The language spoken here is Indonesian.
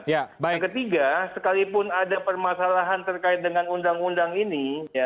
yang ketiga sekalipun ada permasalahan terkait dengan undang undang ini